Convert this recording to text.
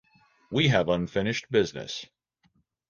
We have unfinished business.